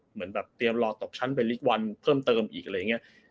เหมือนแบบเตรียมรอตกชั้นเป็นลิกวันเพิ่มเติมอีกอะไรอย่างนี้